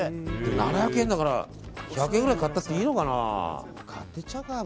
７００円だから１００円くらい買ったっていいのかな。